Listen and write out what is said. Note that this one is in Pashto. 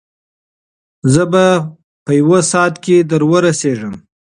زه به په یو ساعت کې در ورسېږم.